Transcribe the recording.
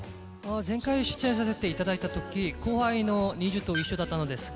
前回出演させていただいた時後輩のＮｉｚｉＵと一緒だったんですが